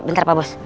bentar pak bos